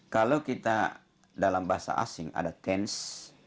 kalau kita dalam bahasa asing ada tens